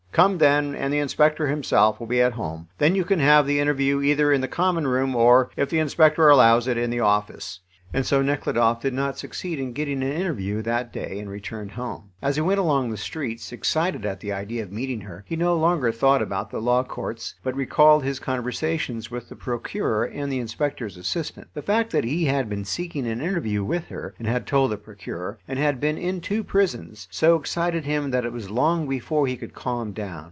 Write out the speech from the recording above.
Come then, and the inspector himself will be at home. Then you can have the interview either in the common room or, if the inspector allows it, in the office." And so Nekhludoff did not succeed in getting an interview that day, and returned home. As he went along the streets, excited at the idea of meeting her, he no longer thought about the Law Courts, but recalled his conversations with the Procureur and the inspector's assistant. The fact that he had been seeking an interview with her, and had told the Procureur, and had been in two prisons, so excited him that it was long before he could calm down.